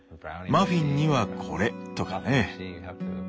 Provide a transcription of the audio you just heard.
マフィンにはこれとかね。